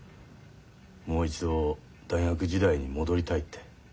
もう一度大学時代に戻りたいって。